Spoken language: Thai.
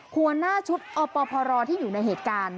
หัวหน้าชุดอปพรที่อยู่ในเหตุการณ์